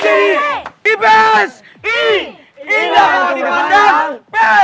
semangat kalian semua yang ada di sini